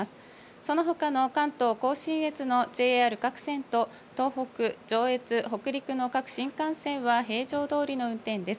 そのほかの関東甲信越のＪＲ各線と、東北、上越、北陸の各新幹線は平常どおりの運転です。